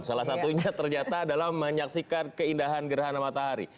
salah satunya ternyata adalah menyaksikan keindahan gerhana matahari